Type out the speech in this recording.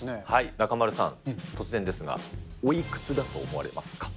中丸さん、おいくつだと思われますか。